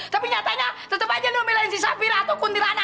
tapi nyatanya tetap aja lu milih si saphira atau kuntirana